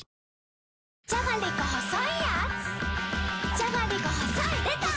じゃがりこ細いやーつ